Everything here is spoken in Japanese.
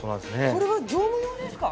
これは業務用ですか？